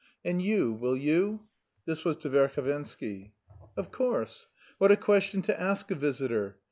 "And you, will you?" (This was to Verhovensky.) "Of course. What a question to ask a visitor!